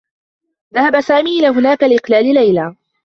ذهب سامي إلى هناك لإقلال ليلى.